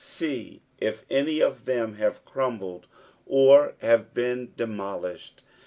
See if any of them have crumbled, or have been demolished.